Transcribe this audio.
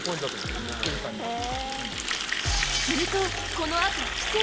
するとこのあと奇跡が